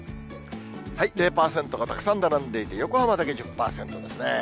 ０％がたくさん並んでいて、横浜だけ１０％ですね。